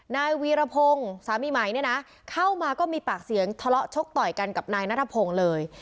นายวีระพงสามิไมค์เนี้ยน่ะเข้ามาก็มีปากเสียงทะเลาะชกต่อยกันกับนายน้าทะพงเลย